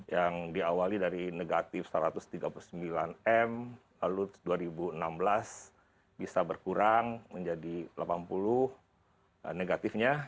yang diawali dari negatif satu ratus tiga puluh sembilan m lalu dua ribu enam belas bisa berkurang menjadi delapan puluh negatifnya